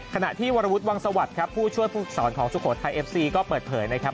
ขณะที่วรวุฒิวังสวัสดิ์ครับผู้ช่วยผู้ฝึกสอนของสุโขทัยเอฟซีก็เปิดเผยนะครับ